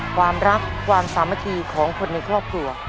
ความรักความสามัคคีของคนในครอบครัว